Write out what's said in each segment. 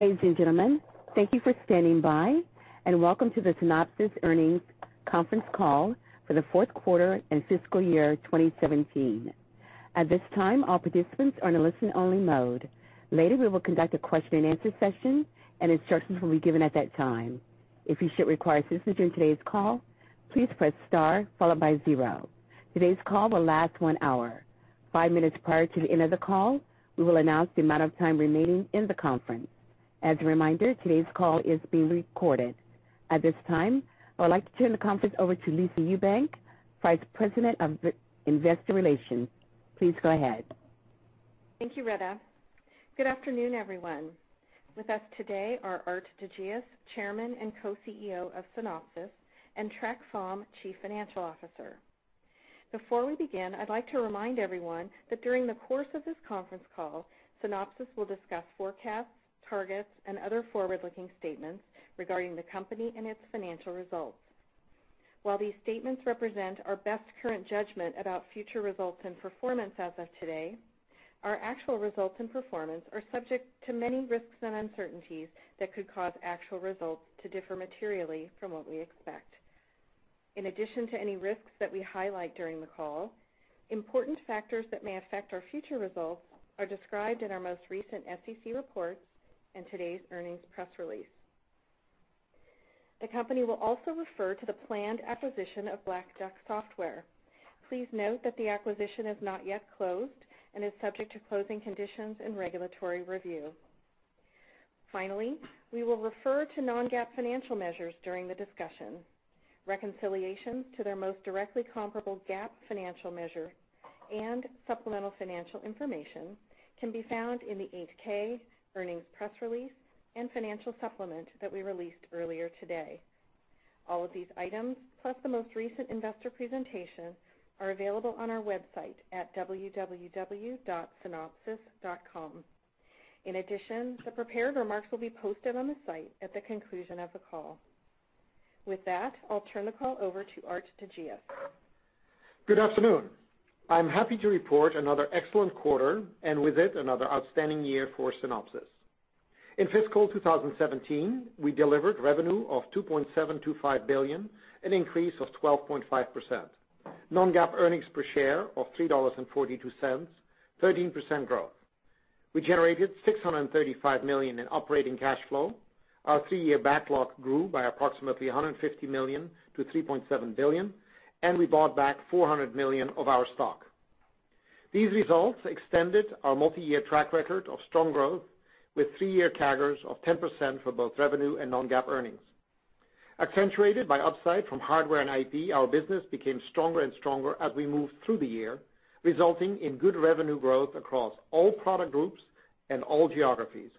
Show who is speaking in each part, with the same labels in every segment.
Speaker 1: Ladies and gentlemen, thank you for standing by. Welcome to the Synopsys Earnings Conference Call for the fourth quarter and fiscal year 2017. At this time, all participants are in a listen-only mode. Later, we will conduct a question-and-answer session, and instructions will be given at that time. If you should require assistance during today's call, please press star followed by zero. Today's call will last one hour. Five minutes prior to the end of the call, we will announce the amount of time remaining in the conference. As a reminder, today's call is being recorded. At this time, I would like to turn the conference over to Lisa Ewbank, Vice President of Investor Relations. Please go ahead.
Speaker 2: Thank you, Reba. Good afternoon, everyone. With us today are Aart de Geus, Chairman and Co-CEO of Synopsys, and Trac Pham, Chief Financial Officer. Before we begin, I'd like to remind everyone that during the course of this conference call, Synopsys will discuss forecasts, targets, and other forward-looking statements regarding the company and its financial results. While these statements represent our best current judgment about future results and performance as of today, our actual results and performance are subject to many risks and uncertainties that could cause actual results to differ materially from what we expect. In addition to any risks that we highlight during the call, important factors that may affect our future results are described in our most recent SEC reports and today's earnings press release. The company will also refer to the planned acquisition of Black Duck Software. Please note that the acquisition has not yet closed and is subject to closing conditions and regulatory review. Finally, we will refer to non-GAAP financial measures during the discussion. Reconciliations to their most directly comparable GAAP financial measure and supplemental financial information can be found in the 8-K earnings press release and financial supplement that we released earlier today. All of these items, plus the most recent investor presentation, are available on our website at www.synopsys.com. In addition, the prepared remarks will be posted on the site at the conclusion of the call. With that, I'll turn the call over to Aart de Geus.
Speaker 3: Good afternoon. I'm happy to report another excellent quarter, and with it, another outstanding year for Synopsys. In fiscal 2017, we delivered revenue of $2.725 billion, an increase of 12.5%. Non-GAAP earnings per share of $3.42, 13% growth. We generated $635 million in operating cash flow. Our three-year backlog grew by approximately $150 million to $3.7 billion, and we bought back $400 million of our stock. These results extended our multi-year track record of strong growth with three-year CAGRs of 10% for both revenue and non-GAAP earnings. Accentuated by upside from hardware and IP, our business became stronger and stronger as we moved through the year, resulting in good revenue growth across all product groups and all geographies.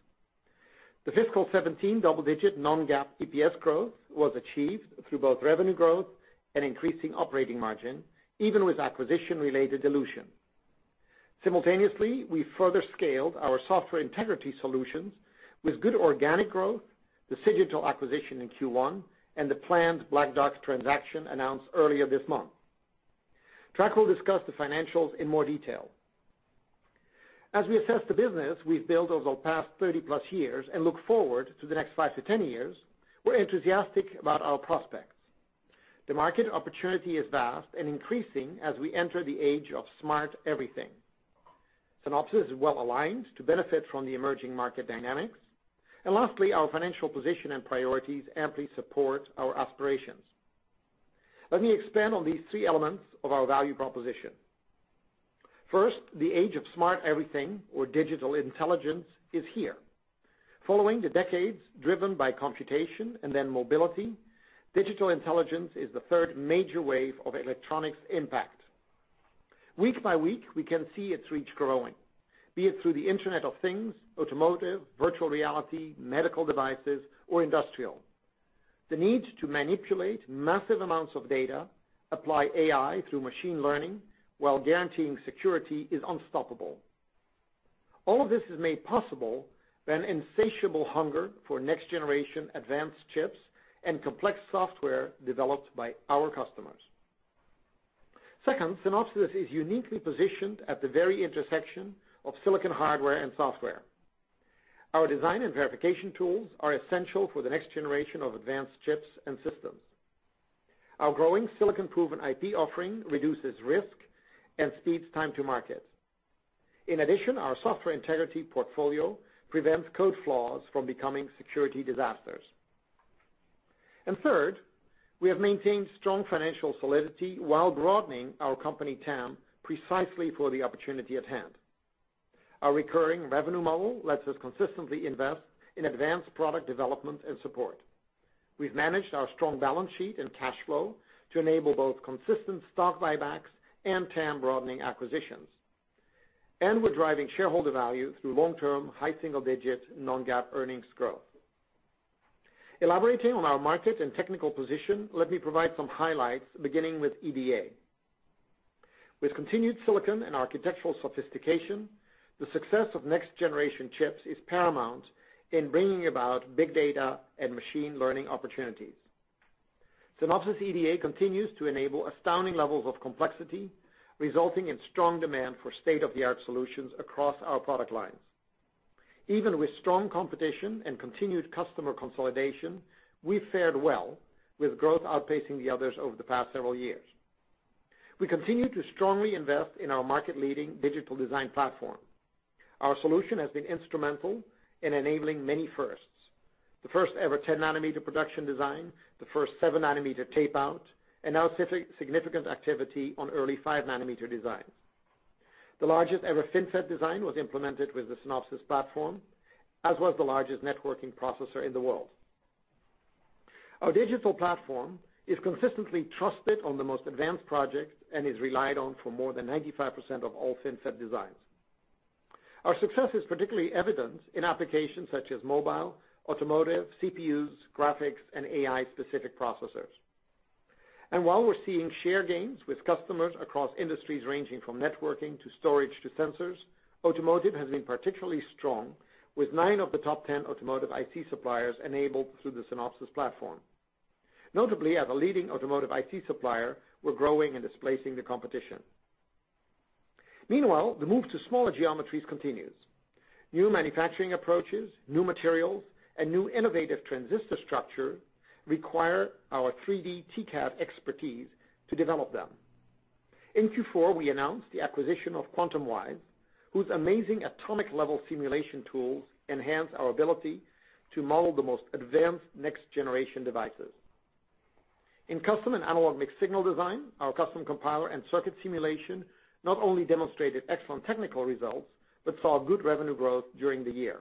Speaker 3: The fiscal 2017 double-digit non-GAAP EPS growth was achieved through both revenue growth and increasing operating margin, even with acquisition-related dilution. Simultaneously, we further scaled our software integrity solutions with good organic growth, the Cigital acquisition in Q1, and the planned Black Duck transaction announced earlier this month. Trac will discuss the financials in more detail. As we assess the business we've built over the past 30-plus years and look forward to the next five to 10 years, we're enthusiastic about our prospects. The market opportunity is vast and increasing as we enter the age of smart everything. Synopsys is well-aligned to benefit from the emerging market dynamics. Lastly, our financial position and priorities amply support our aspirations. Let me expand on these three elements of our value proposition. First, the age of smart everything or digital intelligence is here. Following the decades driven by computation and then mobility, digital intelligence is the third major wave of electronics impact. Week by week, we can see its reach growing, be it through the Internet of Things, automotive, virtual reality, medical devices, or industrial. The need to manipulate massive amounts of data, apply AI through machine learning, while guaranteeing security, is unstoppable. All of this is made possible by an insatiable hunger for next-generation advanced chips and complex software developed by our customers. Second, Synopsys is uniquely positioned at the very intersection of silicon hardware and software. Our design and verification tools are essential for the next generation of advanced chips and systems. Our growing silicon-proven IP offering reduces risk and speeds time to market. In addition, our software integrity portfolio prevents code flaws from becoming security disasters. Third, we have maintained strong financial solidity while broadening our company TAM precisely for the opportunity at hand. Our recurring revenue model lets us consistently invest in advanced product development and support. We've managed our strong balance sheet and cash flow to enable both consistent stock buybacks and TAM broadening acquisitions. We're driving shareholder value through long-term, high single-digit non-GAAP earnings growth. Elaborating on our market and technical position, let me provide some highlights, beginning with EDA. With continued silicon and architectural sophistication, the success of next-generation chips is paramount in bringing about big data and machine learning opportunities. Synopsys EDA continues to enable astounding levels of complexity, resulting in strong demand for state-of-the-art solutions across our product lines. Even with strong competition and continued customer consolidation, we've fared well, with growth outpacing the others over the past several years. We continue to strongly invest in our market-leading digital design platform. Our solution has been instrumental in enabling many firsts. The first-ever 10 nanometer production design, the first seven nanometer tape out, and now significant activity on early five nanometer designs. The largest ever FinFET design was implemented with the Synopsys platform, as was the largest networking processor in the world. Our digital platform is consistently trusted on the most advanced projects and is relied on for more than 95% of all FinFET designs. Our success is particularly evident in applications such as mobile, automotive, CPUs, graphics, and AI specific processors. While we're seeing share gains with customers across industries ranging from networking to storage to sensors, automotive has been particularly strong with nine of the top 10 automotive IC suppliers enabled through the Synopsys platform. Notably, as a leading automotive IC supplier, we're growing and displacing the competition. Meanwhile, the move to smaller geometries continues. New manufacturing approaches, new materials, and new innovative transistor structure require our 3D TCAD expertise to develop them. In Q4, we announced the acquisition of QuantumWise, whose amazing atomic level simulation tools enhance our ability to model the most advanced next generation devices. In Custom Compiler and analog mixed signal design, our Custom Compiler and circuit simulation not only demonstrated excellent technical results, but saw good revenue growth during the year.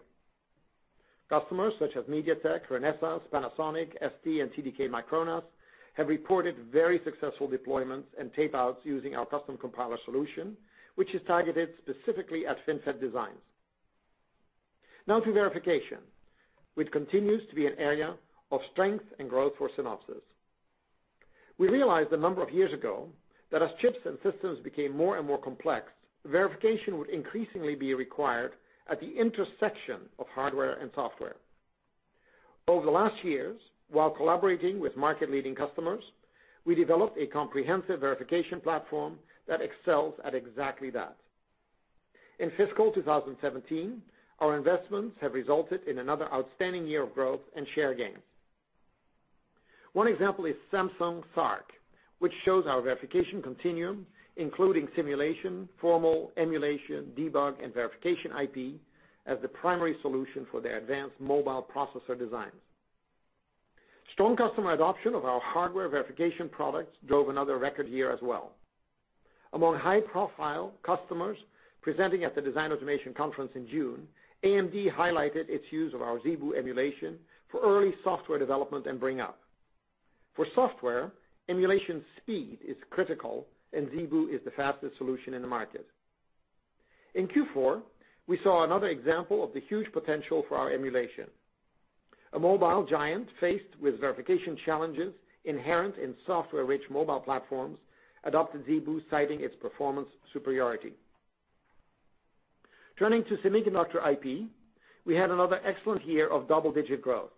Speaker 3: Customers such as MediaTek, Renesas, Panasonic, ST, and TDK-Micronas have reported very successful deployments and tapeouts using our Custom Compiler solution, which is targeted specifically at FinFET designs. To verification, which continues to be an area of strength and growth for Synopsys. We realized a number of years ago that as chips and systems became more and more complex, verification would increasingly be required at the intersection of hardware and software. Over the last years, while collaborating with market leading customers, we developed a comprehensive verification platform that excels at exactly that. In fiscal 2017, our investments have resulted in another outstanding year of growth and share gains. One example is Samsung SARC, which shows our verification continuum, including simulation, formal emulation, debug, and verification IP, as the primary solution for their advanced mobile processor designs. Strong customer adoption of our hardware verification products drove another record year as well. Among high profile customers presenting at the Design Automation Conference in June, AMD highlighted its use of our ZeBu emulation for early software development and bring up. For software, emulation speed is critical, and ZeBu is the fastest solution in the market. In Q4, we saw another example of the huge potential for our emulation. A mobile giant faced with verification challenges inherent in software-rich mobile platforms adopted ZeBu, citing its performance superiority. Turning to Semiconductor IP, we had another excellent year of double-digit growth.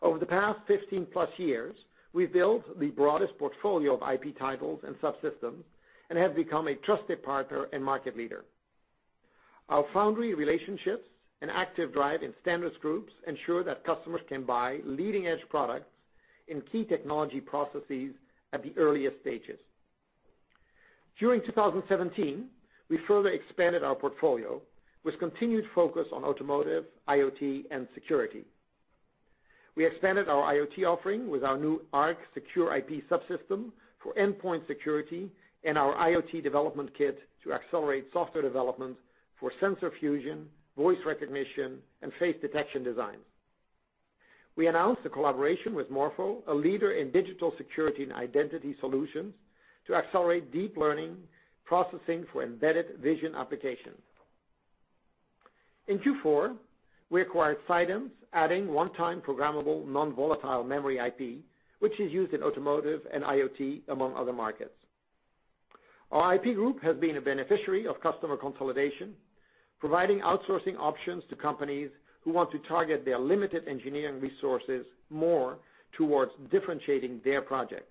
Speaker 3: Over the past 15+ years, we've built the broadest portfolio of IP titles and subsystems and have become a trusted partner and market leader. Our foundry relationships and active drive in standards groups ensure that customers can buy leading-edge products in key technology processes at the earliest stages. During 2017, we further expanded our portfolio with continued focus on automotive, IoT, and security. We expanded our IoT offering with our new ARC secure IP subsystem for endpoint security and our IoT development kit to accelerate software development for sensor fusion, voice recognition, and face detection designs. We announced a collaboration with Morpho, a leader in digital security and identity solutions, to accelerate deep learning processing for embedded vision applications. In Q4, we acquired Kilopass, adding one-time programmable non-volatile memory IP, which is used in automotive and IoT, among other markets. Our IP group has been a beneficiary of customer consolidation, providing outsourcing options to companies who want to target their limited engineering resources more towards differentiating their projects.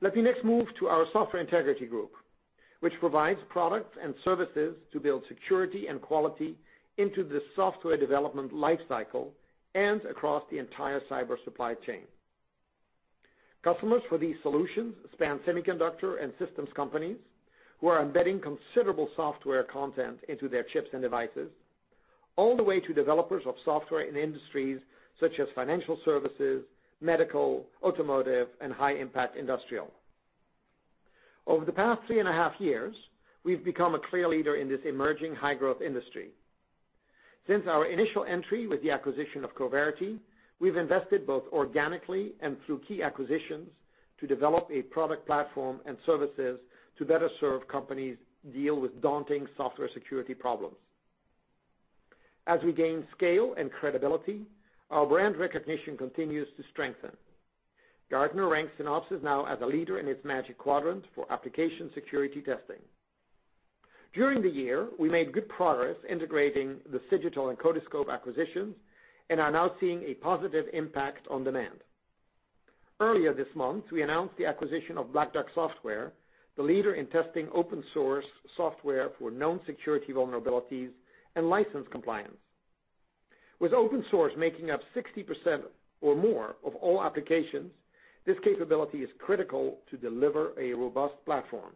Speaker 3: Let me next move to our software integrity group, which provides products and services to build security and quality into the software development life cycle and across the entire cyber supply chain. Customers for these solutions span semiconductor and systems companies who are embedding considerable software content into their chips and devices, all the way to developers of software in industries such as financial services, medical, automotive, and high impact industrial. Over the past three and a half years, we've become a clear leader in this emerging high growth industry. Since our initial entry with the acquisition of Coverity, we've invested both organically and through key acquisitions to develop a product platform and services to better serve companies deal with daunting software security problems. As we gain scale and credibility, our brand recognition continues to strengthen. Gartner ranks Synopsys now as a leader in its Magic Quadrant for application security testing. During the year, we made good progress integrating the Cigital and Codiscope acquisitions and are now seeing a positive impact on demand. Earlier this month, we announced the acquisition of Black Duck Software, the leader in testing open source software for known security vulnerabilities and license compliance. With open source making up 60% or more of all applications, this capability is critical to deliver a robust platform.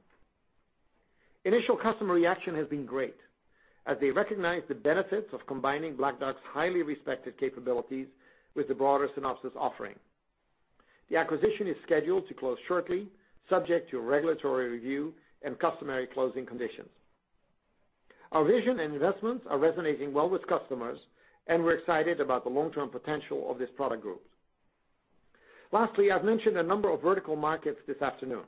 Speaker 3: Initial customer reaction has been great, as they recognize the benefits of combining Black Duck's highly respected capabilities with the broader Synopsys offering. The acquisition is scheduled to close shortly, subject to regulatory review and customary closing conditions. Our vision and investments are resonating well with customers, and we're excited about the long-term potential of this product group. Lastly, I've mentioned a number of vertical markets this afternoon.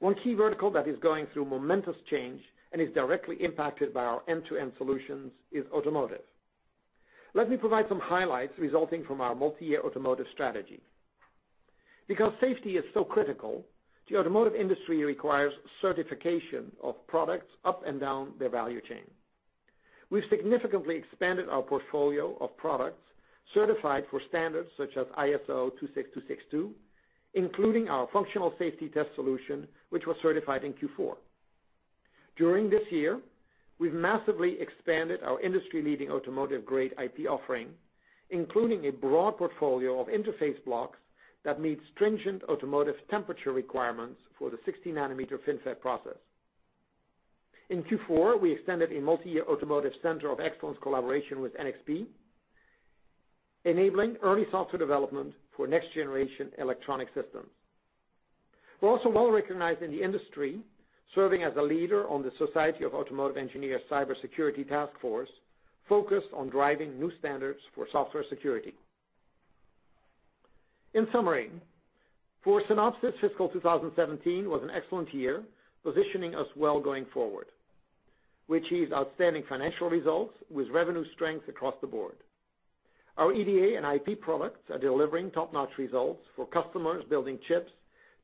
Speaker 3: One key vertical that is going through momentous change and is directly impacted by our end-to-end solutions is automotive. Let me provide some highlights resulting from our multi-year automotive strategy. Because safety is so critical, the automotive industry requires certification of products up and down their value chain. We've significantly expanded our portfolio of products certified for standards such as ISO 26262, including our functional safety test solution, which was certified in Q4. During this year, we've massively expanded our industry-leading automotive-grade IP offering, including a broad portfolio of interface blocks that meet stringent automotive temperature requirements for the 16nm FinFET process. In Q4, we extended a multi-year automotive center of excellence collaboration with NXP, enabling early software development for next-generation electronic systems. We're also well-recognized in the industry, serving as a leader on the Society of Automotive Engineers' cybersecurity task force, focused on driving new standards for software security. In summary, for Synopsys, fiscal 2017 was an excellent year, positioning us well going forward. We achieved outstanding financial results with revenue strength across the board. Our EDA and IP products are delivering top-notch results for customers building chips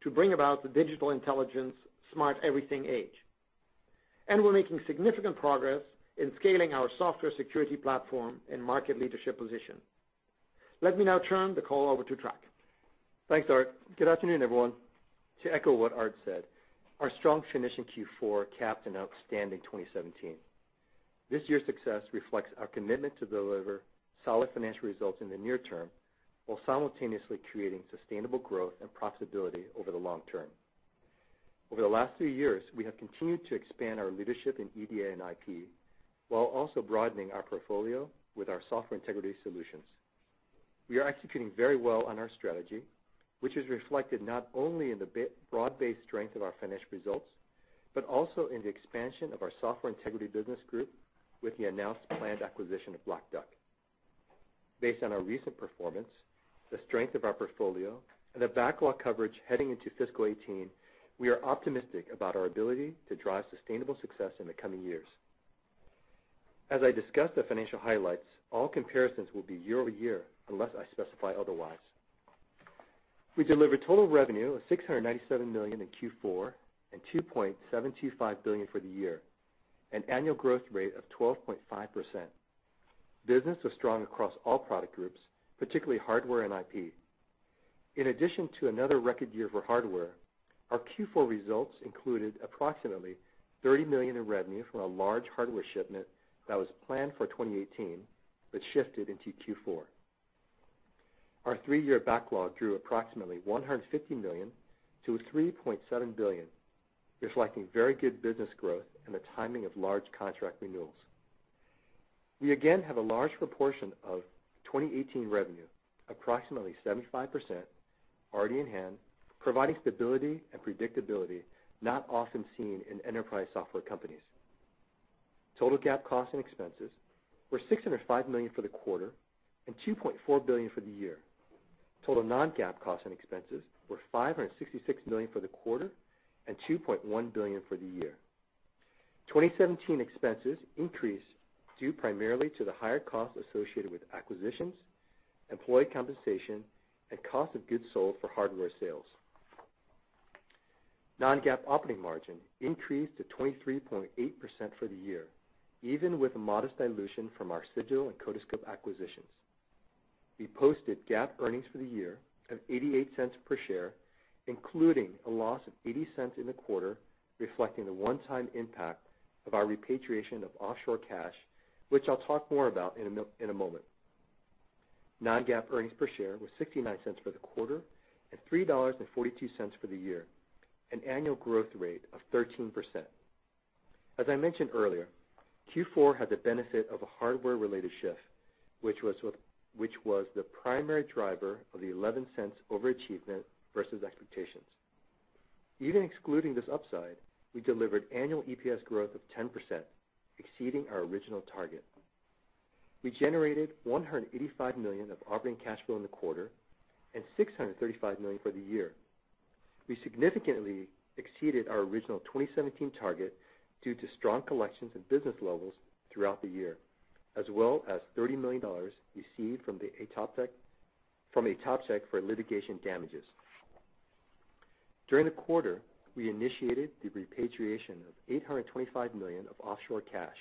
Speaker 3: to bring about the digital intelligence Smart Everything age. We're making significant progress in scaling our software security platform and market leadership position. Let me now turn the call over to Trac.
Speaker 4: Thanks, Aart. Good afternoon, everyone. To echo what Aart said, our strong finishing Q4 capped an outstanding 2017. This year's success reflects our commitment to deliver solid financial results in the near term, while simultaneously creating sustainable growth and profitability over the long term. Over the last three years, we have continued to expand our leadership in EDA and IP, while also broadening our portfolio with our software integrity solutions. We are executing very well on our strategy, which is reflected not only in the broad-based strength of our finished results, but also in the expansion of our software integrity business group with the announced planned acquisition of Black Duck. Based on our recent performance, the strength of our portfolio, and the backlog coverage heading into fiscal 2018, we are optimistic about our ability to drive sustainable success in the coming years. As I discuss the financial highlights, all comparisons will be year-over-year, unless I specify otherwise. We delivered total revenue of $697 million in Q4 and $2.725 billion for the year, an annual growth rate of 12.5%. Business was strong across all product groups, particularly hardware and IP. In addition to another record year for hardware, our Q4 results included approximately $30 million in revenue from a large hardware shipment that was planned for 2018, but shifted into Q4. Our three-year backlog drew approximately $150 million to $3.7 billion, reflecting very good business growth and the timing of large contract renewals. We again have a large proportion of 2018 revenue, approximately 75%, already in hand, providing stability and predictability not often seen in enterprise software companies. Total GAAP costs and expenses were $605 million for the quarter and $2.4 billion for the year. Total non-GAAP costs and expenses were $566 million for the quarter and $2.1 billion for the year. 2017 expenses increased due primarily to the higher costs associated with acquisitions, employee compensation, and cost of goods sold for hardware sales. Non-GAAP operating margin increased to 23.8% for the year, even with a modest dilution from our Cigital and Codiscope acquisitions. We posted GAAP earnings for the year of $0.88 per share, including a loss of $0.80 in the quarter, reflecting the one-time impact of our repatriation of offshore cash, which I'll talk more about in a moment. Non-GAAP earnings per share were $0.69 for the quarter and $3.42 for the year, an annual growth rate of 13%. As I mentioned earlier, Q4 had the benefit of a hardware-related shift, which was the primary driver of the $0.11 overachievement versus expectations. Even excluding this upside, we delivered annual EPS growth of 10%, exceeding our original target. We generated $185 million of operating cash flow in the quarter and $635 million for the year. We significantly exceeded our original 2017 target due to strong collections and business levels throughout the year, as well as $30 million received from ATopTech for litigation damages. During the quarter, we initiated the repatriation of $825 million of offshore cash,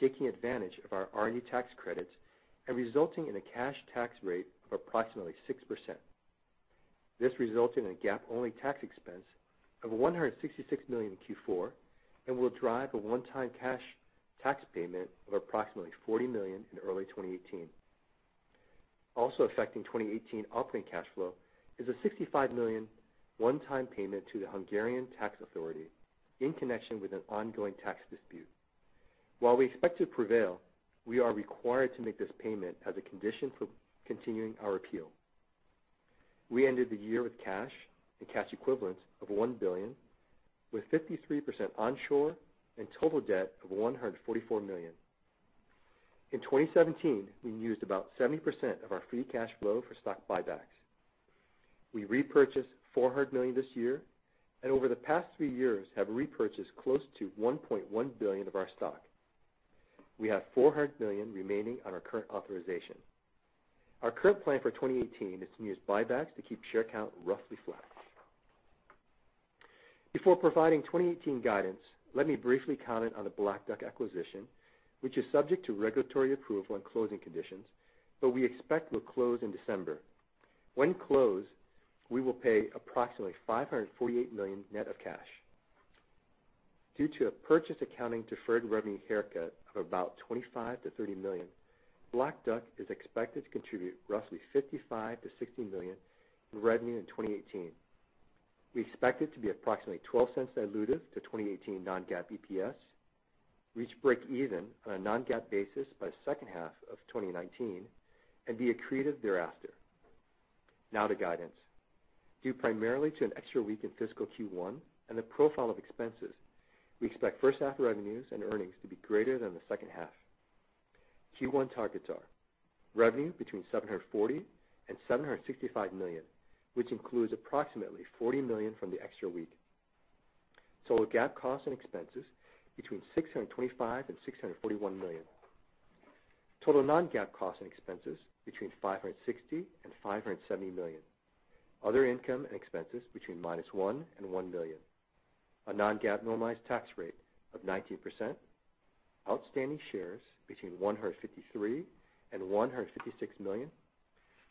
Speaker 4: taking advantage of our R&D tax credits and resulting in a cash tax rate of approximately 6%. This resulted in a GAAP-only tax expense of $166 million in Q4 and will drive a one-time cash tax payment of approximately $40 million in early 2018. Also affecting 2018 operating cash flow is a $65 million one-time payment to the Hungarian tax authority in connection with an ongoing tax dispute. While we expect to prevail, we are required to make this payment as a condition for continuing our appeal. We ended the year with cash and cash equivalents of $1 billion, with 53% onshore and total debt of $144 million. In 2017, we used about 70% of our free cash flow for stock buybacks. We repurchased $400 million this year, and over the past three years have repurchased close to $1.1 billion of our stock. We have $400 million remaining on our current authorization. Our current plan for 2018 is to use buybacks to keep share count roughly flat. Before providing 2018 guidance, let me briefly comment on the Black Duck acquisition, which is subject to regulatory approval and closing conditions, but we expect will close in December. When closed, we will pay approximately $548 million net of cash. Due to a purchase accounting deferred revenue haircut of about $25 million-$30 million, Black Duck is expected to contribute roughly $55 million-$60 million in revenue in 2018. We expect it to be approximately $0.12 dilutive to 2018 non-GAAP EPS, reach breakeven on a non-GAAP basis by second half of 2019, and be accretive thereafter. The guidance. Due primarily to an extra week in fiscal Q1 and the profile of expenses, we expect first half revenues and earnings to be greater than the second half. Q1 targets are revenue between $740 million-$765 million, which includes approximately $40 million from the extra week. Total GAAP costs and expenses between $625 million-$641 million. Total non-GAAP costs and expenses between $560 million-$570 million. Other income and expenses between -$1 million and $1 million. A non-GAAP normalized tax rate of 19%. Outstanding shares between 153 million-156 million.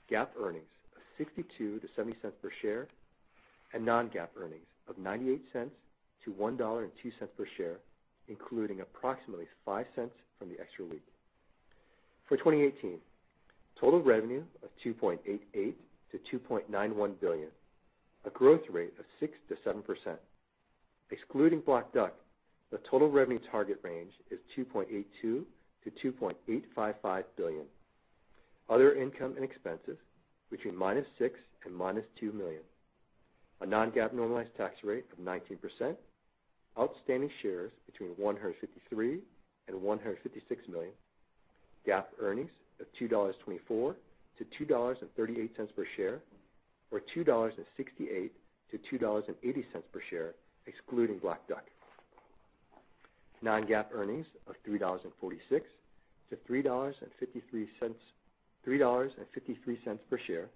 Speaker 4: GAAP earnings of $0.62-$0.70 per share, and non-GAAP earnings of $0.98-$1.02 per share, including approximately $0.05 from the extra week. For 2018, total revenue of $2.88 billion-$2.91 billion, a growth rate of 6%-7%. Excluding Black Duck, the total revenue target range is $2.82 billion-$2.855 billion. Other income and expenses between -$6 million and -$2 million. A non-GAAP normalized tax rate of 19%. Outstanding shares between 153 million-156 million. GAAP earnings of $2.24-$2.38 per share, or $2.68-$2.80 per share, excluding Black Duck. Non-GAAP earnings of $3.46-$3.53 per share,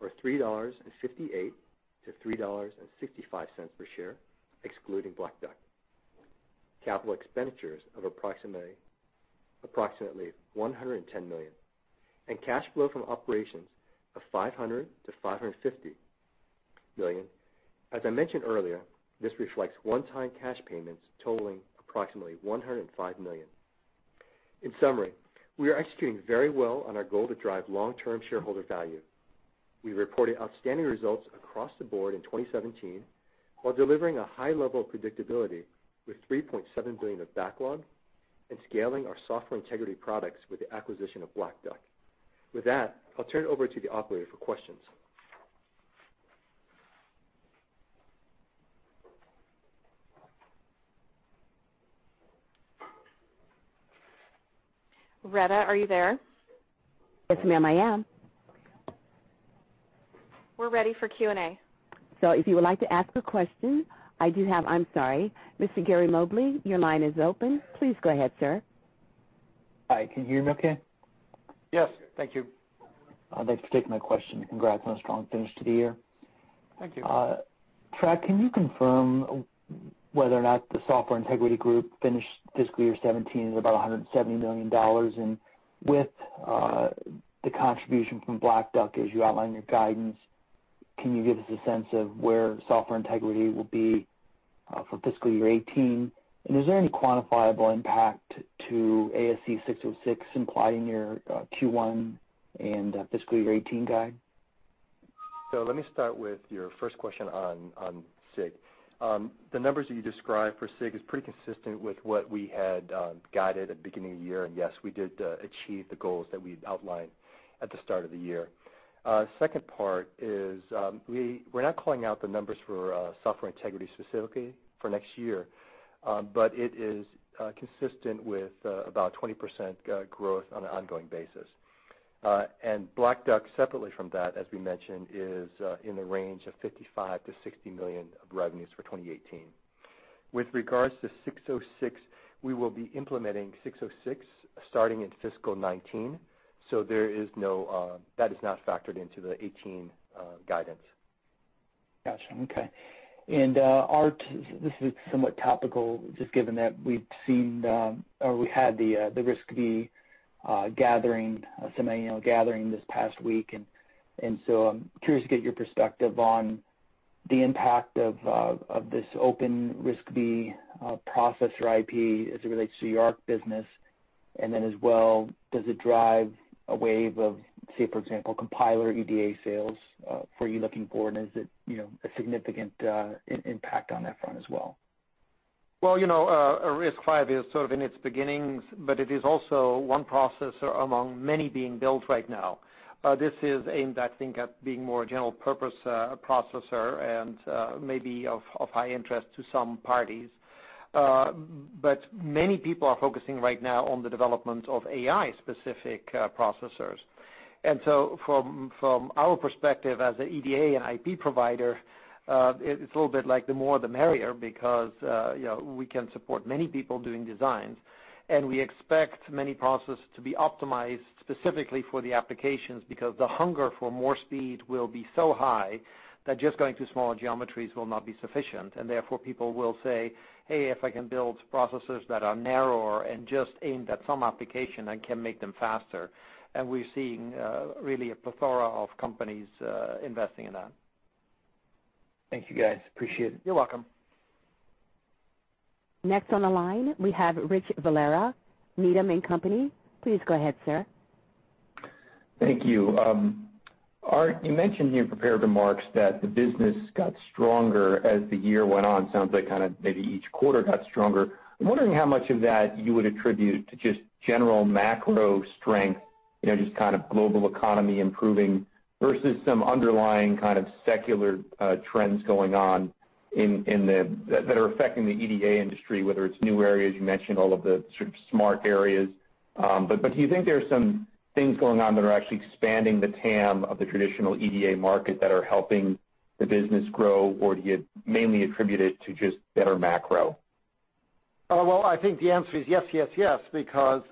Speaker 4: or $3.58-$3.65 per share, excluding Black Duck. Capital expenditures of approximately $110 million, and cash flow from operations of $500 million-$550 million. As I mentioned earlier, this reflects one-time cash payments totaling approximately $105 million. In summary, we are executing very well on our goal to drive long-term shareholder value. We reported outstanding results across the board in 2017 while delivering a high level of predictability with $3.7 billion of backlog and scaling our software integrity products with the acquisition of Black Duck. With that, I'll turn it over to the operator for questions.
Speaker 2: Reba, are you there?
Speaker 1: Yes, ma'am, I am.
Speaker 2: Okay. We're ready for Q&A.
Speaker 1: If you would like to ask a question, I do have I'm sorry. Mr. Gary Mobley, your line is open. Please go ahead, sir.
Speaker 5: Hi, can you hear me okay?
Speaker 4: Yes. Thank you.
Speaker 5: Thanks for taking my question. Congrats on a strong finish to the year.
Speaker 4: Thank you.
Speaker 5: Trac, can you confirm whether or not the Software Integrity Group finished fiscal year 2017 at about $170 million? With the contribution from Black Duck, as you outline your guidance, can you give us a sense of where Software Integrity will be for fiscal year 2018? Is there any quantifiable impact to ASC 606 implied in your Q1 and fiscal year 2018 guide?
Speaker 4: Let me start with your first question on SIG. The numbers that you described for SIG is pretty consistent with what we had guided at the beginning of the year. Yes, we did achieve the goals that we'd outlined at the start of the year. Second part is, we're not calling out the numbers for Software Integrity specifically for next year, but it is consistent with about 20% growth on an ongoing basis. Black Duck, separately from that, as we mentioned, is in the range of $55 million-$60 million of revenues for 2018. With regards to 606, we will be implementing 606 starting in fiscal 2019, so that is not factored into the 2018 guidance.
Speaker 5: Got you. Okay. Aart, this is somewhat topical, just given that we've seen, or we had the RISC-V semiannual gathering this past week, I'm curious to get your perspective on the impact of this open RISC-V processor IP as it relates to your ARC business, then as well, does it drive a wave of, say, for example, compiler EDA sales for you looking forward, is it a significant impact on that front as well?
Speaker 3: Well, RISC-V is sort of in its beginnings, it is also one processor among many being built right now. This is aimed, I think, at being more a general-purpose processor maybe of high interest to some parties. Many people are focusing right now on the development of AI-specific processors. From our perspective as an EDA and IP provider, it's a little bit like the more the merrier because we can support many people doing designs, we expect many processors to be optimized specifically for the applications because the hunger for more speed will be so high that just going to smaller geometries will not be sufficient, people will say, "Hey, if I can build processors that are narrower and just aimed at some application, I can make them faster." We're seeing really a plethora of companies investing in that.
Speaker 5: Thank you, guys. Appreciate it.
Speaker 3: You're welcome.
Speaker 1: Next on the line, we have Richard Valera, Needham & Company. Please go ahead, sir.
Speaker 6: Thank you. Aart, you mentioned in your prepared remarks that the business got stronger as the year went on. Sounds like kind of maybe each quarter got stronger. I'm wondering how much of that you would attribute to just general macro strength, just kind of global economy improving versus some underlying kind of secular trends going on that are affecting the EDA industry, whether it's new areas, you mentioned all of the sort of smart areas. Do you think there are some things going on that are actually expanding the TAM of the traditional EDA market that are helping the business grow, or do you mainly attribute it to just better macro?
Speaker 3: Well, I think the answer is yes, because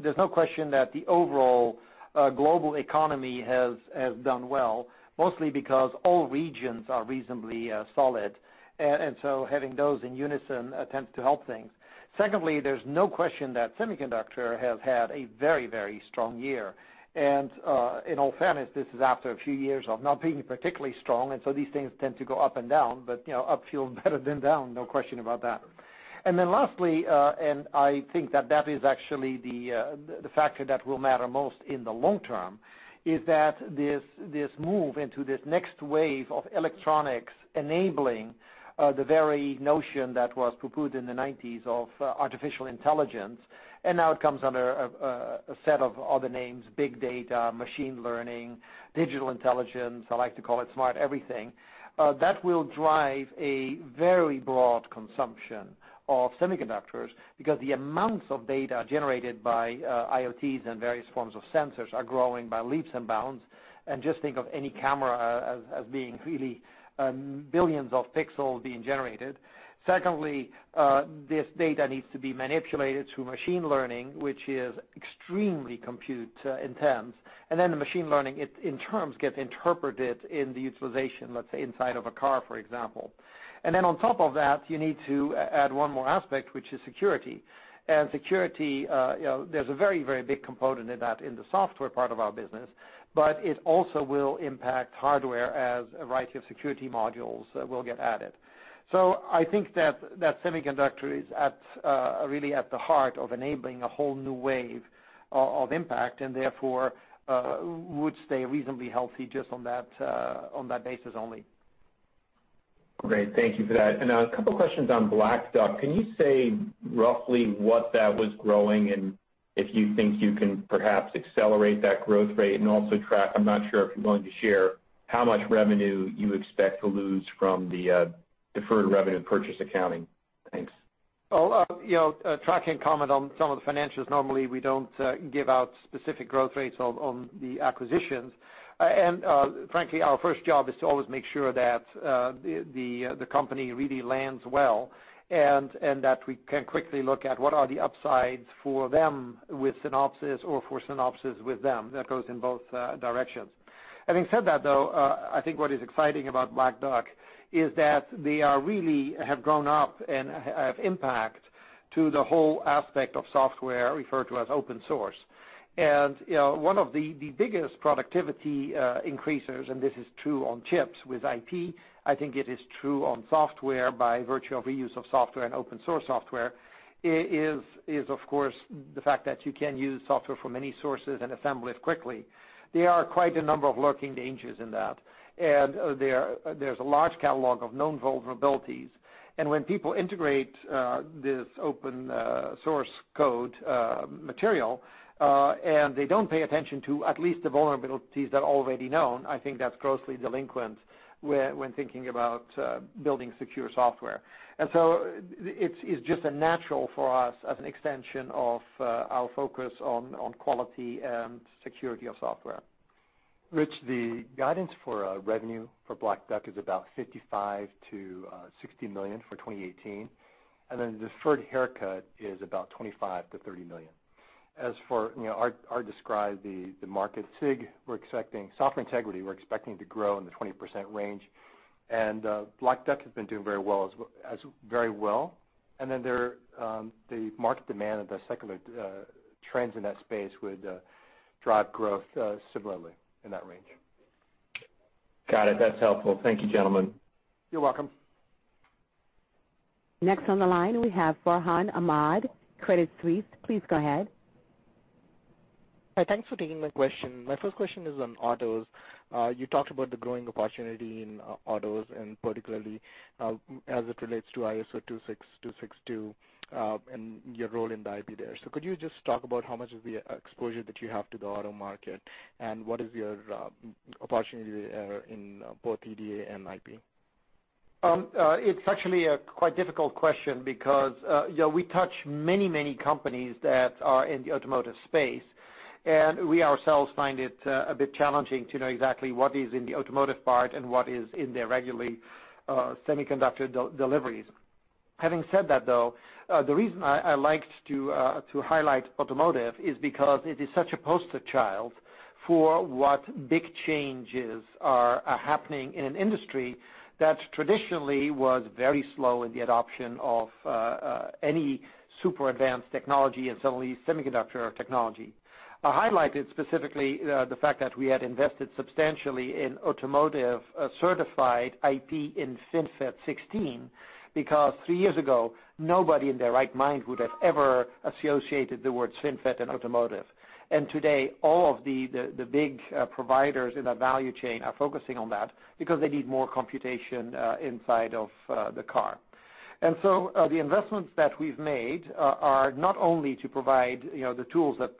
Speaker 3: there's no question that the overall global economy has done well, mostly because all regions are reasonably solid. Having those in unison tends to help things. Secondly, there's no question that semiconductor has had a very strong year. In all fairness, this is after a few years of not being particularly strong, these things tend to go up and down, up feels better than down, no question about that. Lastly, and I think that that is actually the factor that will matter most in the long term, is that this move into this next wave of electronics enabling the very notion that was proposed in the '90s of artificial intelligence, and now it comes under a set of other names, big data, machine learning, digital intelligence. I like to call it smart everything. That will drive a very broad consumption of semiconductors because the amounts of data generated by IoTs and various forms of sensors are growing by leaps and bounds, just think of any camera as being really billions of pixels being generated. Secondly, this data needs to be manipulated through machine learning, which is extremely compute intense. Then the machine learning in turn gets interpreted in the utilization, let's say, inside of a car, for example. Then on top of that, you need to add one more aspect, which is security. Security, there's a very big component in that in the software part of our business, but it also will impact hardware as a variety of security modules will get added. I think that semiconductor is really at the heart of enabling a whole new wave of impact, and therefore would stay reasonably healthy just on that basis only.
Speaker 6: Great. Thank you for that. A couple questions on Black Duck. Can you say roughly what that was growing and if you think you can perhaps accelerate that growth rate and also Trac, I'm not sure if you're going to share how much revenue you expect to lose from the deferred revenue purchase accounting. Thanks.
Speaker 3: Well, Trac can comment on some of the financials. Normally, we don't give out specific growth rates on the acquisitions. Frankly, our first job is to always make sure that the company really lands well, and that we can quickly look at what are the upsides for them with Synopsys or for Synopsys with them. That goes in both directions. Having said that, though, I think what is exciting about Black Duck is that they really have grown up and have impact to the whole aspect of software referred to as open source. One of the biggest productivity increasers, and this is true on chips with IP, I think it is true on software by virtue of reuse of software and open source software, is, of course, the fact that you can use software from many sources and assemble it quickly. There are quite a number of lurking dangers in that, there's a large catalog of known vulnerabilities, when people integrate this open-source code material, they don't pay attention to at least the vulnerabilities that are already known, I think that's grossly delinquent when thinking about building secure software. It's just natural for us as an extension of our focus on quality and security of software.
Speaker 4: Rich, the guidance for revenue for Black Duck is about $55 million-$60 million for 2018, the deferred haircut is about $25 million-$30 million. As for Aart described the market, SIG, we're expecting Software Integrity to grow in the 20% range, Black Duck has been doing very well. The market demand and the secular trends in that space would drive growth similarly in that range.
Speaker 6: Got it. That's helpful. Thank you, gentlemen.
Speaker 4: You're welcome.
Speaker 1: Next on the line, we have Farhan Ahmad, Credit Suisse. Please go ahead.
Speaker 7: Hi, thanks for taking my question. My first question is on autos. You talked about the growing opportunity in autos, and particularly as it relates to ISO 26262 and your role in the IP there. Could you just talk about how much of the exposure that you have to the auto market and what is your opportunity in both EDA and IP?
Speaker 3: It's actually a quite difficult question because we touch many companies that are in the automotive space, and we ourselves find it a bit challenging to know exactly what is in the automotive part and what is in their regular semiconductor deliveries. Having said that, though, the reason I liked to highlight automotive is because it is such a poster child for what big changes are happening in an industry that traditionally was very slow in the adoption of any super advanced technology, and certainly semiconductor technology. I highlighted specifically the fact that we had invested substantially in automotive certified IP in FinFET16 because three years ago, nobody in their right mind would have ever associated the words FinFET and automotive. Today, all of the big providers in that value chain are focusing on that because they need more computation inside of the car. The investments that we've made are not only to provide the tools that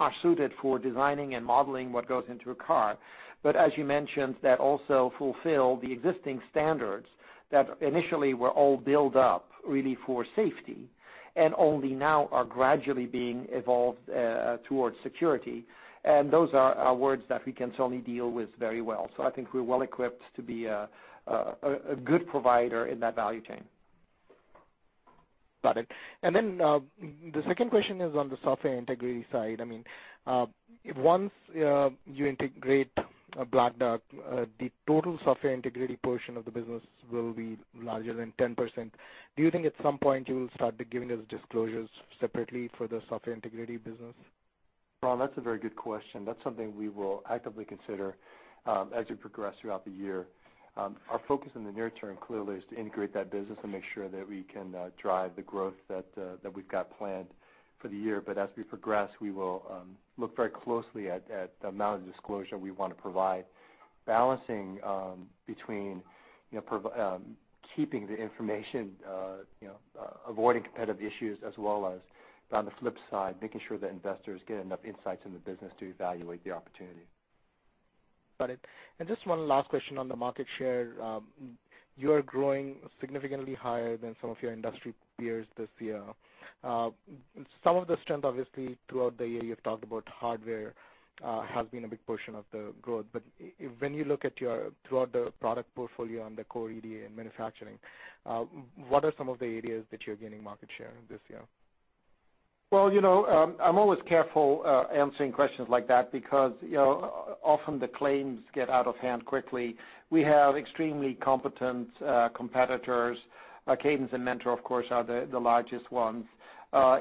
Speaker 3: are suited for designing and modeling what goes into a car, but as you mentioned, that also fulfill the existing standards that initially were all built up really for safety and only now are gradually being evolved towards security. Those are words that we can certainly deal with very well. I think we're well equipped to be a good provider in that value chain.
Speaker 7: Got it. The second question is on the Software Integrity side. Once you integrate Black Duck, the total Software Integrity portion of the business will be larger than 10%. Do you think at some point you will start giving us disclosures separately for the Software Integrity business?
Speaker 4: Farhan, that's a very good question. That's something we will actively consider as we progress throughout the year. Our focus in the near term clearly is to integrate that business and make sure that we can drive the growth that we've got planned for the year. As we progress, we will look very closely at the amount of disclosure we want to provide, balancing between keeping the information, avoiding competitive issues, as well as on the flip side, making sure that investors get enough insights in the business to evaluate the opportunity.
Speaker 7: Got it. Just one last question on the market share. You are growing significantly higher than some of your industry peers this year. Some of the strength, obviously, throughout the year, you've talked about hardware has been a big portion of the growth. When you look throughout the product portfolio on the core EDA and manufacturing, what are some of the areas that you're gaining market share in this year?
Speaker 3: Well, I'm always careful answering questions like that because often the claims get out of hand quickly. We have extremely competent competitors. Cadence and Mentor, of course, are the largest ones.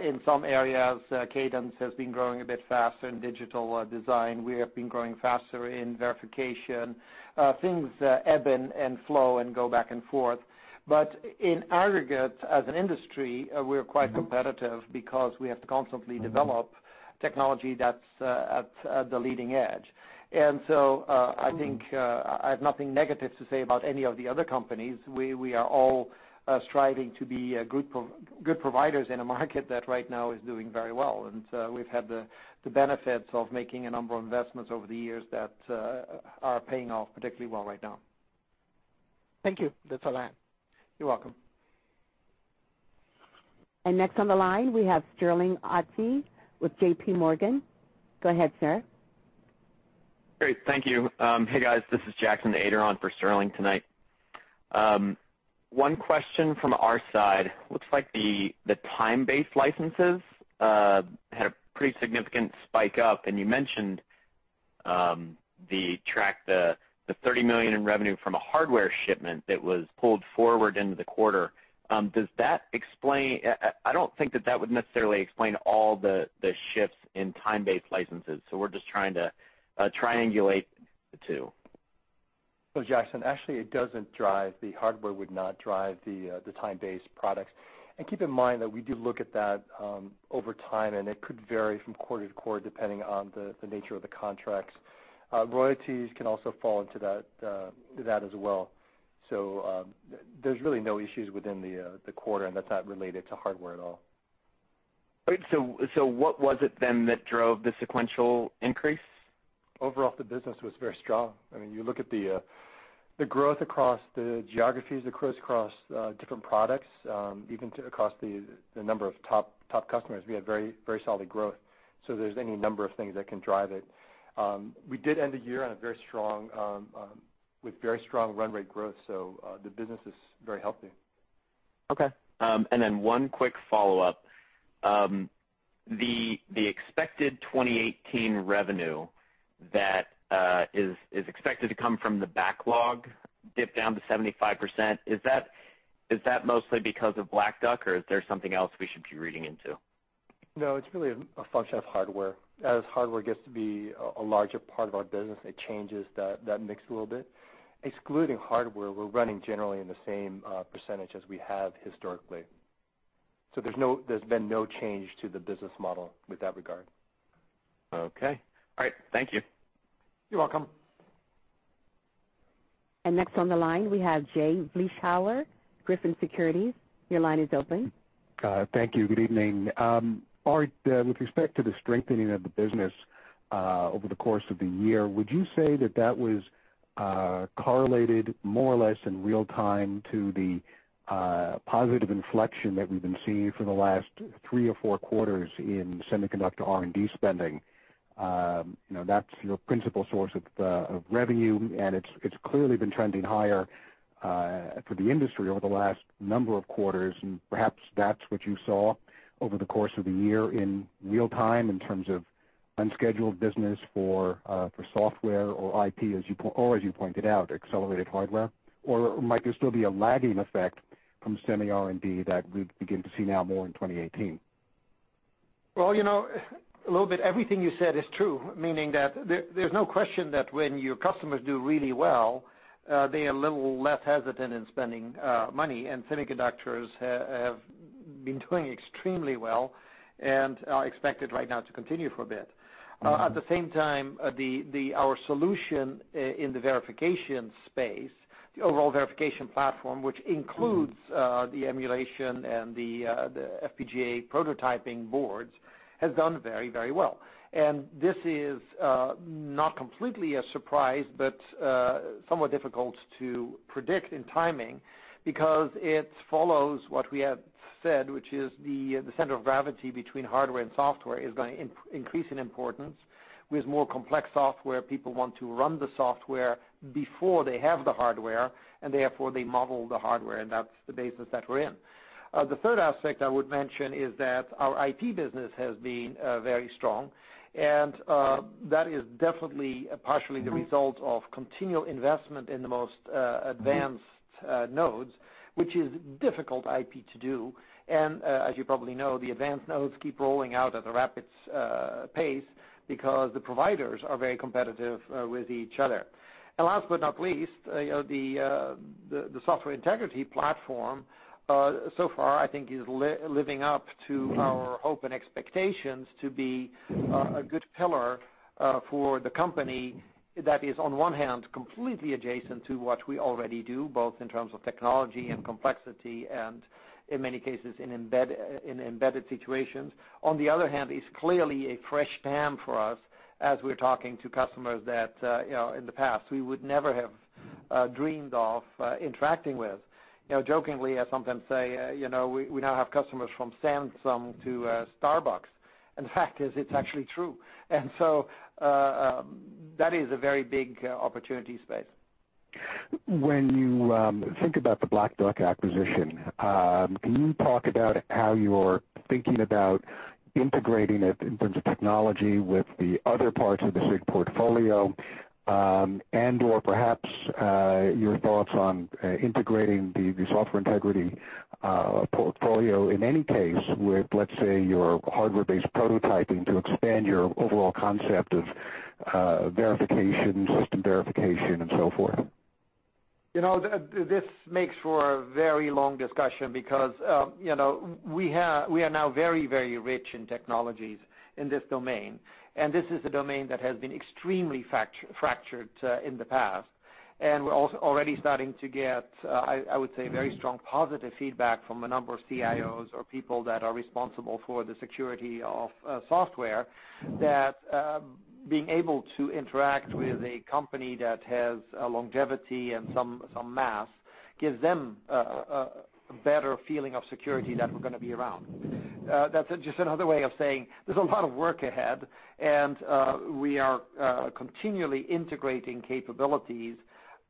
Speaker 3: In some areas, Cadence has been growing a bit faster in digital design. We have been growing faster in verification. Things ebb and flow and go back and forth. In aggregate, as an industry, we are quite competitive because we have to constantly develop technology that's at the leading edge. I think I have nothing negative to say about any of the other companies. We are all striving to be good providers in a market that right now is doing very well. We've had the benefits of making a number of investments over the years that are paying off particularly well right now.
Speaker 7: Thank you. That's all I have.
Speaker 3: You're welcome.
Speaker 1: Next on the line, we have Sterling Auty with JPMorgan. Go ahead, sir.
Speaker 8: Great. Thank you. Hey, guys. This is Jackson Ader on for Sterling tonight. One question from our side. Looks like the time-based licenses had a pretty significant spike up, you mentioned Trac, the $30 million in revenue from a hardware shipment that was pulled forward into the quarter. I don't think that that would necessarily explain all the shifts in time-based licenses. We're just trying to triangulate the two.
Speaker 4: Jackson, actually, the hardware would not drive the time-based products. Keep in mind that we do look at that over time, and it could vary from quarter to quarter, depending on the nature of the contracts. Royalties can also fall into that as well. There's really no issues within the quarter, and that's not related to hardware at all.
Speaker 8: Great. What was it then that drove the sequential increase?
Speaker 4: Overall, the business was very strong. You look at the growth across the geographies, the growth across different products, even across the number of top customers, we have very solid growth. There's any number of things that can drive it. We did end the year with very strong run rate growth, so the business is very healthy.
Speaker 8: Okay. One quick follow-up. The expected 2018 revenue that is expected to come from the backlog dip down to 75%, is that mostly because of Black Duck, or is there something else we should be reading into?
Speaker 4: No, it's really a function of hardware. As hardware gets to be a larger part of our business, it changes that mix a little bit. Excluding hardware, we're running generally in the same percentage as we have historically. There's been no change to the business model with that regard.
Speaker 8: Okay. All right, thank you.
Speaker 4: You're welcome.
Speaker 1: Next on the line we have Jay Vleeschhouwer, Griffin Securities. Your line is open.
Speaker 9: Thank you. Good evening. Aart, with respect to the strengthening of the business, over the course of the year, would you say that that was correlated more or less in real time to the positive inflection that we've been seeing for the last three or four quarters in semiconductor R&D spending? That's your principal source of revenue, it's clearly been trending higher for the industry over the last number of quarters, perhaps that's what you saw over the course of the year in real time, in terms of unscheduled business for software or IP, as you pointed out, accelerated hardware, or might there still be a lagging effect from semi R&D that we begin to see now more in 2018?
Speaker 3: Well, a little bit everything you said is true, meaning that there's no question that when your customers do really well, they are a little less hesitant in spending money, semiconductors have been doing extremely well and are expected right now to continue for a bit. At the same time, our solution in the verification space, the overall verification platform, which includes the emulation and the FPGA prototyping boards, has done very well. This is not completely a surprise, but somewhat difficult to predict in timing because it follows what we have said, which is the center of gravity between hardware and software is going to increase in importance. With more complex software, people want to run the software before they have the hardware, therefore they model the hardware, that's the business that we're in. The third aspect I would mention is that our IP business has been very strong, that is definitely partially the result of continual investment in the most advanced nodes, which is difficult IP to do. As you probably know, the advanced nodes keep rolling out at a rapid pace because the providers are very competitive with each other. Last but not least, the software integrity platform so far, I think is living up to our hope and expectations to be a good pillar for the company that is, on one hand, completely adjacent to what we already do, both in terms of technology and complexity and, in many cases, in embedded situations. On the other hand, it's clearly a fresh TAM for us as we're talking to customers that, in the past, we would never have dreamed of interacting with.
Speaker 4: Jokingly, I sometimes say we now have customers from Samsung to Starbucks. The fact is, it's actually true. That is a very big opportunity space.
Speaker 9: When you think about the Black Duck acquisition, can you talk about how you're thinking about integrating it in terms of technology with the other parts of the SIG portfolio, and/or perhaps your thoughts on integrating the software integrity portfolio in any case with, let's say, your hardware-based prototyping to expand your overall concept of verification, system verification, and so forth?
Speaker 3: This makes for a very long discussion because we are now very rich in technologies in this domain, this is a domain that has been extremely fractured in the past. We're already starting to get, I would say, very strong positive feedback from a number of CIOs or people that are responsible for the security of software, that being able to interact with a company that has a longevity and some mass gives them a better feeling of security that we're going to be around. That's just another way of saying there's a lot of work ahead, we are continually integrating capabilities,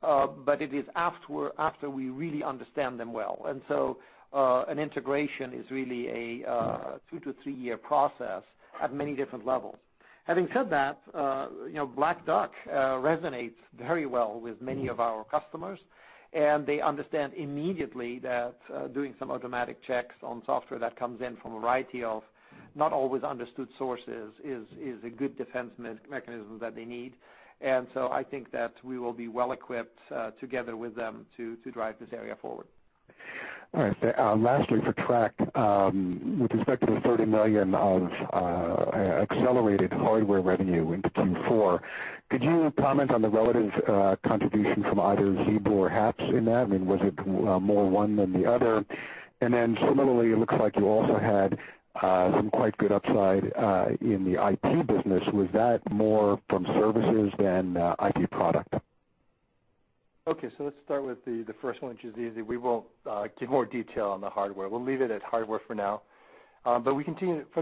Speaker 3: but it is after we really understand them well. So an integration is really a two- to three-year process at many different levels. Having said that, Black Duck resonates very well with many of our customers, they understand immediately that doing some automatic checks on software that comes in from a variety of not always understood sources is a good defense mechanism that they need. So I think that we will be well equipped together with them to drive this area forward.
Speaker 9: All right. Lastly, for Trac, with respect to the $30 million of accelerated hardware revenue into Q4, could you comment on the relative contribution from either ZeBu or HAPS in that? Was it more one than the other? Similarly, it looks like you also had some quite good upside in the IP business. Was that more from services than IP product?
Speaker 4: Okay, let's start with the first one, which is easy. We won't give more detail on the hardware. We'll leave it at hardware for now. For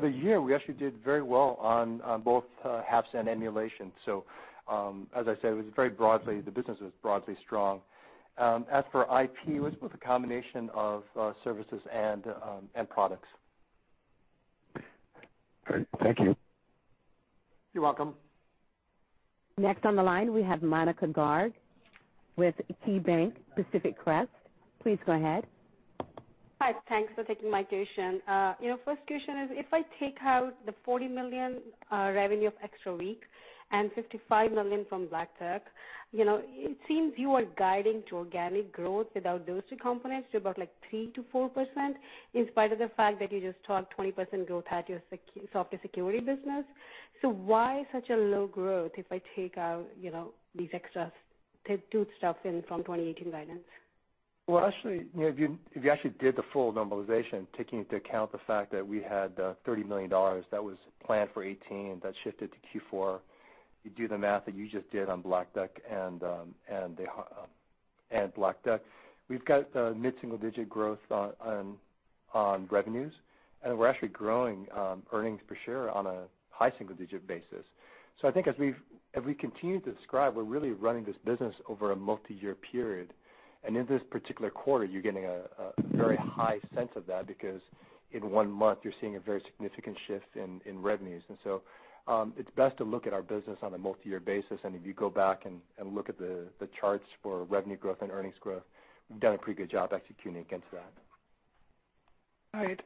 Speaker 4: the year, we actually did very well on both HAPS and emulation. As I said, the business was broadly strong. As for IP, it was both a combination of services and products.
Speaker 9: Great. Thank you.
Speaker 3: You're welcome.
Speaker 1: Next on the line, we have Monika Garg with KeyBanc/Pacific Crest. Please go ahead.
Speaker 10: Thanks for taking my question. First question is, if I take out the $40 million revenue of Extra Week and $55 million from Black Duck, it seems you are guiding to organic growth without those two components to about 3%-4%, in spite of the fact that you just talked 20% growth out your software security business. Why such a low growth if I take out these extra two stuff in from 2018 guidance?
Speaker 4: If you actually did the full normalization, taking into account the fact that we had $30 million that was planned for 2018, that shifted to Q4. You do the math that you just did on Black Duck. We've got mid-single-digit growth on revenues, and we're actually growing earnings per share on a high single-digit basis. I think as we continue to describe, we're really running this business over a multi-year period. In this particular quarter, you're getting a very high sense of that because in one month you're seeing a very significant shift in revenues. It's best to look at our business on a multi-year basis, and if you go back and look at the charts for revenue growth and earnings growth, we've done a pretty good job executing against that.
Speaker 10: All right.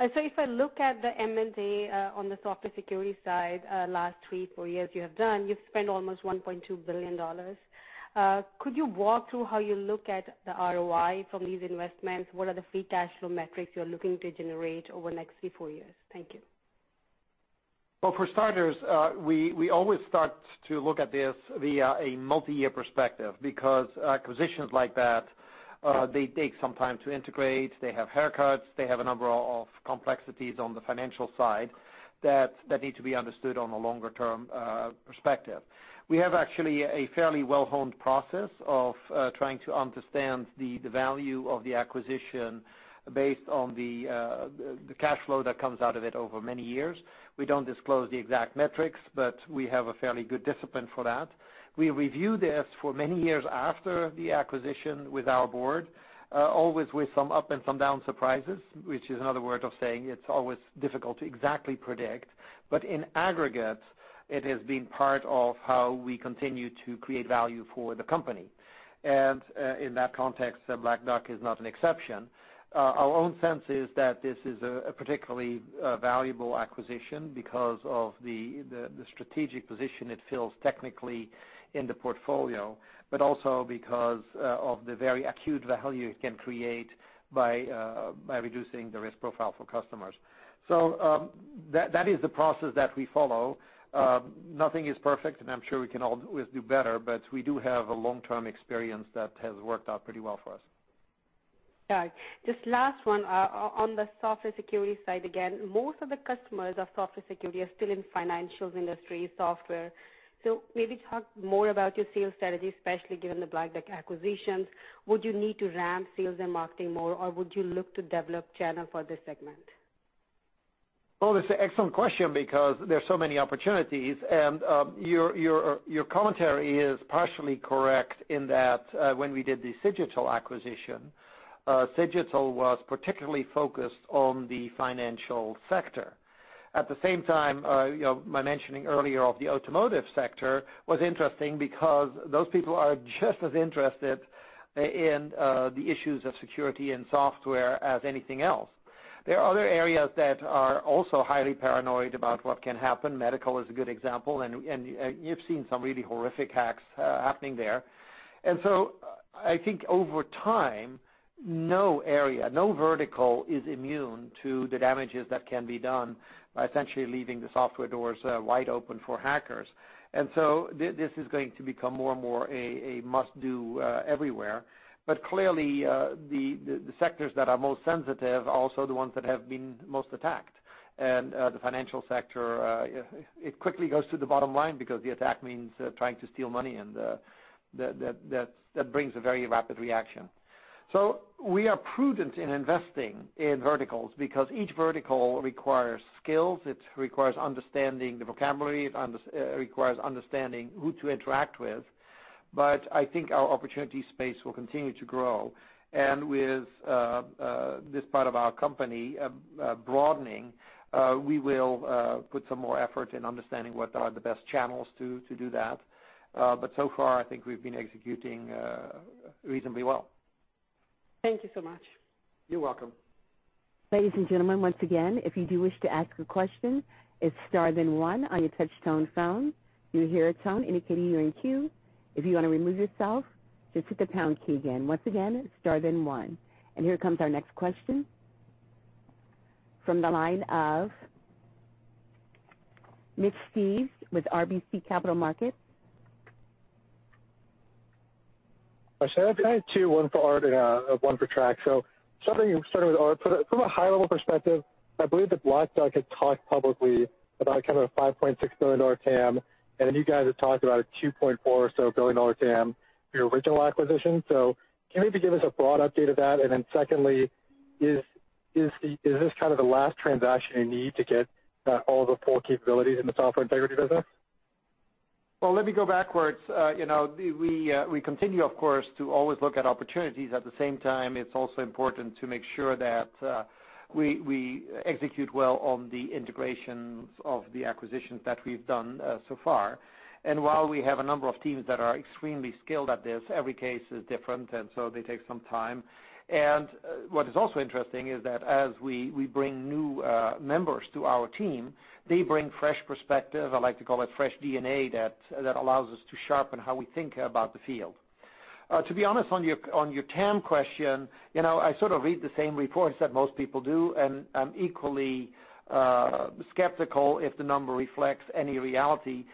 Speaker 10: If I look at the M&A on the software security side, last three, four years you have done, you've spent almost $1.2 billion. Could you walk through how you look at the ROI from these investments? What are the free cash flow metrics you're looking to generate over the next three, four years? Thank you.
Speaker 3: For starters, we always start to look at this via a multi-year perspective, because acquisitions like that, they take some time to integrate. They have haircuts. They have a number of complexities on the financial side that need to be understood on a longer-term perspective. We have actually a fairly well-honed process of trying to understand the value of the acquisition based on the cash flow that comes out of it over many years. We don't disclose the exact metrics, but we have a fairly good discipline for that. We review this for many years after the acquisition with our board, always with some up and some down surprises, which is another word of saying it's always difficult to exactly predict. In aggregate, it has been part of how we continue to create value for the company. In that context, Black Duck is not an exception. Our own sense is that this is a particularly valuable acquisition because of the strategic position it fills technically in the portfolio, also because of the very acute value it can create by reducing the risk profile for customers. That is the process that we follow. Nothing is perfect, and I'm sure we can always do better, we do have a long-term experience that has worked out pretty well for us.
Speaker 10: Got it. Just last one, on the software security side, again, most of the customers of software security are still in financials industry software. Maybe talk more about your sales strategy, especially given the Black Duck acquisition. Would you need to ramp sales and marketing more, or would you look to develop channel for this segment?
Speaker 3: Well, it's an excellent question because there are so many opportunities, and your commentary is partially correct in that, when we did the Cigital acquisition, Cigital was particularly focused on the financial sector. At the same time, my mentioning earlier of the automotive sector was interesting because those people are just as interested in the issues of security and software as anything else. There are other areas that are also highly paranoid about what can happen. Medical is a good example, and you've seen some really horrific hacks happening there. I think over time, no area, no vertical is immune to the damages that can be done by essentially leaving the software doors wide open for hackers. This is going to become more and more a must-do everywhere. Clearly, the sectors that are most sensitive are also the ones that have been most attacked. The financial sector, it quickly goes to the bottom line because the attack means trying to steal money, and that brings a very rapid reaction. We are prudent in investing in verticals because each vertical requires skills. It requires understanding the vocabulary. It requires understanding who to interact with. I think our opportunity space will continue to grow. With this part of our company broadening, we will put some more effort in understanding what are the best channels to do that. So far, I think we've been executing reasonably well.
Speaker 10: Thank you so much.
Speaker 3: You're welcome.
Speaker 1: Ladies and gentlemen, once again, if you do wish to ask a question, it's star then one on your touch tone phone. You'll hear a tone indicating you're in queue. If you want to remove yourself, just hit the pound key again. Once again, star then one. Here comes our next question from the line of Mitch Steves with RBC Capital Markets.
Speaker 11: I just have two, one for Aart and one for Trac. Starting with Aart, from a high-level perspective, I believe that Black Duck had talked publicly about kind of a $5.6 billion TAM, and then you guys have talked about a $2.4 or so billion TAM for your original acquisition. Can you maybe give us a broad update of that? Secondly, is this kind of the last transaction you need to get all the full capabilities in the software integrity business?
Speaker 3: Well, let me go backwards. We continue, of course, to always look at opportunities. At the same time, it's also important to make sure that we execute well on the integrations of the acquisitions that we've done so far. While we have a number of teams that are extremely skilled at this, every case is different, they take some time. What is also interesting is that as we bring new members to our team, they bring fresh perspective, I like to call it fresh DNA, that allows us to sharpen how we think about the field. To be honest, on your TAM question, I sort of read the same reports that most people do, and I'm equally skeptical if the number reflects any reality.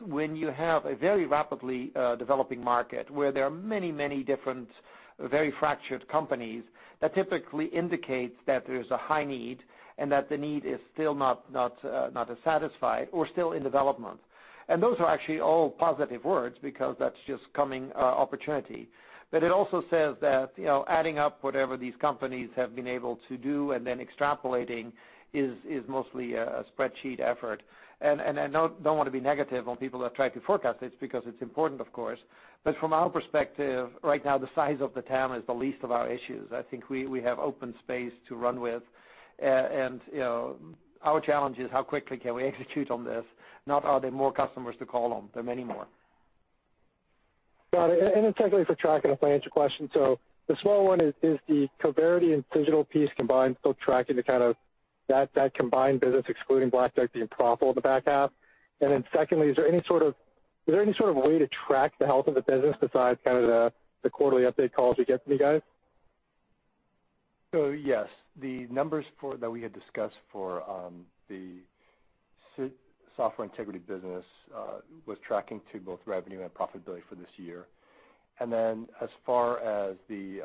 Speaker 3: When you have a very rapidly developing market where there are many different, very fractured companies, that typically indicates that there's a high need and that the need is still not as satisfied or still in development. Those are actually all positive words because that's just coming opportunity. It also says that adding up whatever these companies have been able to do and then extrapolating is mostly a spreadsheet effort. I don't want to be negative on people that try to forecast this because it's important, of course. From our perspective, right now, the size of the TAM is the least of our issues. I think we have open space to run with. Our challenge is how quickly can we execute on this, not are there more customers to call on. There are many more.
Speaker 11: Got it. Secondly, for Trac, if I answer your question. The small one is the Coverity and Cigital piece combined still tracking to kind of that combined business excluding Black Duck being profitable in the back half? Secondly, is there any sort of way to track the health of the business besides kind of the quarterly update calls we get from you guys?
Speaker 4: Yes, the numbers that we had discussed for the software integrity business was tracking to both revenue and profitability for this year. As far as the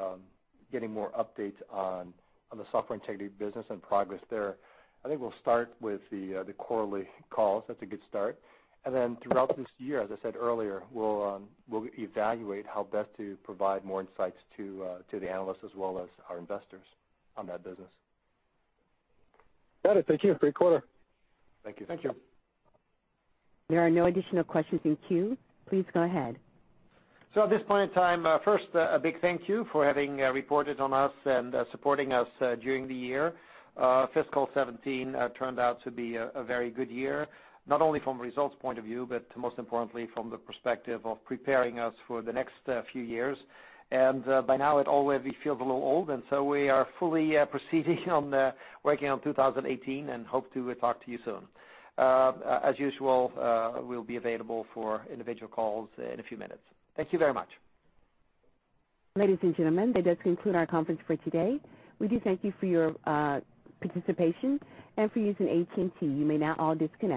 Speaker 4: getting more updates on the software integrity business and progress there, I think we'll start with the quarterly calls. That's a good start. Throughout this year, as I said earlier, we'll evaluate how best to provide more insights to the analysts as well as our investors on that business.
Speaker 11: Got it. Thank you. Great quarter.
Speaker 4: Thank you.
Speaker 3: Thank you.
Speaker 1: There are no additional questions in queue. Please go ahead.
Speaker 3: At this point in time, first, a big thank you for having reported on us and supporting us during the year. Fiscal 2017 turned out to be a very good year, not only from a results point of view, but most importantly from the perspective of preparing us for the next few years. By now it already feels a little old, and so we are fully proceeding on working on 2018 and hope to talk to you soon. As usual, we'll be available for individual calls in a few minutes. Thank you very much.
Speaker 1: Ladies and gentlemen, that does conclude our conference for today. We do thank you for your participation and for using AT&T. You may now all disconnect.